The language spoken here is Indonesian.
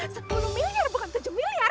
sepuluh miliar bukan tujuh miliar